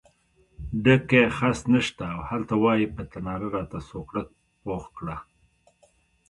ډکی خس نشته او هلته وایې په تناره راته سوکړک پخ کړه.